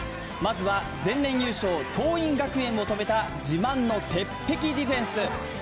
まずは前回優勝桐蔭学園を止めた自慢の鉄壁ディフェンス。